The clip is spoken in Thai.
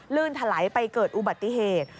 ถลายไปเกิดอุบัติเหตุ